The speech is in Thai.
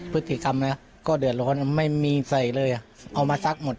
พฤติกรรมนะก็เดือดร้อนไม่มีใส่เลยเอามาซักหมด